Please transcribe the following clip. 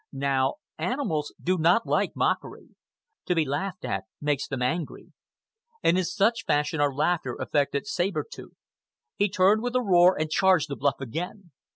Now animals do not like mockery. To be laughed at makes them angry. And in such fashion our laughter affected Saber Tooth. He turned with a roar and charged the bluff again.